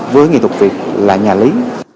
với nghệ thuật việt là nhà lý